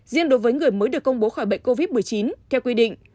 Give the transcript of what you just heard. riêng đối với người mới được công bố khỏi bệnh covid một mươi chín theo quy định